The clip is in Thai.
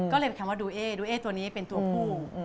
ก็เลยแค่ว่าดูเอดูเอตัวนี้เป็นตัวคู่